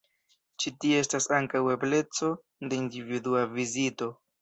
Ĉi tie estas ankaŭ ebleco de individua vizito.